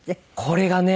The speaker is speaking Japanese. これがね